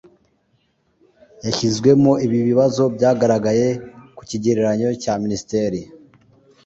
yashyizwemo Ibi bibazo byagaragaye ku kigereranyo cya minisiteri